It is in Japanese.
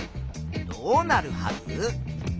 どうなるはず？